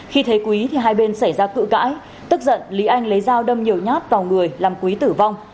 khi thấy quý thì hai bên xảy ra cự cãi tức giận lý anh lấy dao đâm nhiều nhát vào người làm quý tử vong